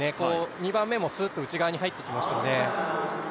２番目もスーッと内側に入ってきましたので。